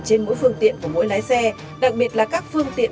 trên mỗi phương tiện của mỗi lái xe đặc biệt là các phương tiện